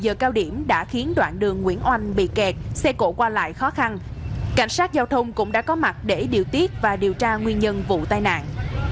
giờ cao điểm đã khiến đoạn đường nguyễn oanh bị kẹt xe cổ qua lại khó khăn cảnh sát giao thông cũng đã có mặt để điều tiết và điều tra nguyên nhân vụ tai nạn